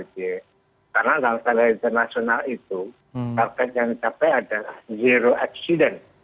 karena standar standar internasional itu target yang dicapai adalah zero accident